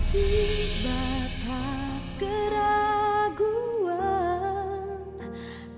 di batas keraguan